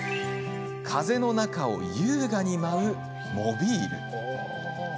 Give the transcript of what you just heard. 風の中を優雅に舞うモビール。